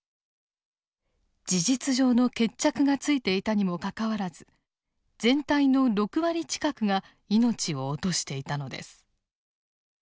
事実上の決着がついていたにもかかわらず全体の６割近くが命を落としていたのです。